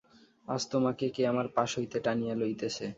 আজ তোমাকে কে আমার পাশ হইতে টানিয়া লইতেছে?